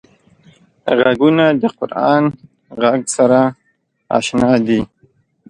غوږونه د قران غږ سره اشنا دي